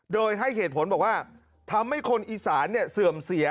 โดยให้เหตุผลบอกว่าทำให้คนอีสานเสื่อมเสีย